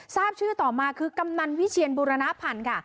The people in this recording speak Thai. ทราบชื่อต่อมาคือกำนันวิเชียนบุรณพันธ์ค่ะ